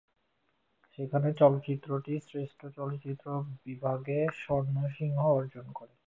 সেখানে চলচ্চিত্রটি শ্রেষ্ঠ চলচ্চিত্র বিভাগে স্বর্ণ সিংহ অর্জন করে।